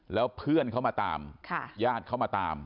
แล้วเพื่อนเขามาตามญาติเขามาตาม